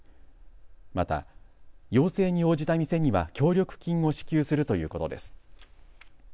また要請に応じた店には協力金を支給するということです。